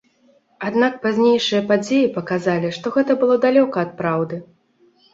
Аднак пазнейшыя падзеі паказалі, што гэта было далёка ад праўды.